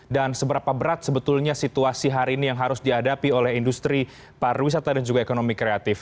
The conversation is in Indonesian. dan seberapa berat sebetulnya situasi hari ini yang harus dihadapi oleh industri pariwisata dan juga ekonomi kreatif